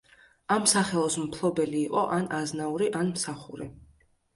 ამ სახელოს მფლობელი იყო ან აზნაური, ან მსახური.